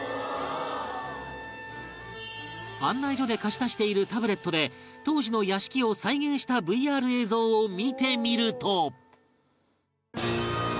案内所で貸し出しているタブレットで当時の屋敷を再現した ＶＲ 映像を見てみると